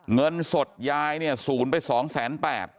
เงินสดยายเนี่ยศูนย์ไป๒แสน๘